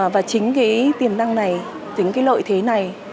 và chính cái tiềm năng này tính cái lợi thế này